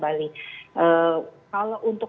bali kalau untuk